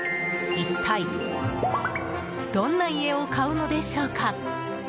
一体、どんな家を買うのでしょうか？